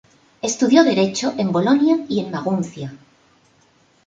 Estudió Derecho en Bolonia y en Maguncia.